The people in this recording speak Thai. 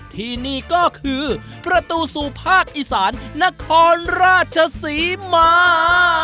ที่นี่ก็คือประตูสู่ภาคอีสานนครราชศรีมา